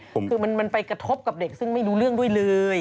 คือมันไปกระทบกับเด็กซึ่งไม่รู้เรื่องด้วยเลย